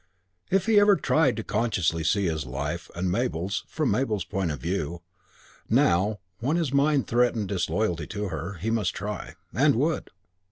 If he had ever tried consciously to see his life and Mabel's from Mabel's point of view, now, when his mind threatened disloyalty to her, he must try. And would!